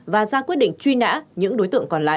và ra quyết định truy nã những đối tượng còn lại